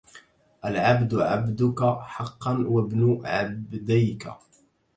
العبد عبدك حقا وابن عبديك